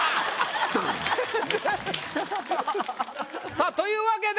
さあというわけで。